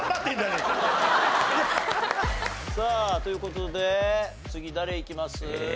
さあという事で次誰いきます？